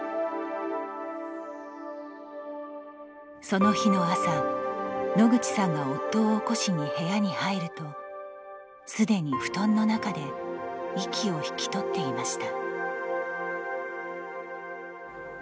その日の朝、野口さんが夫を起こしに部屋に入るとすでに布団の中で息を引き取っていました。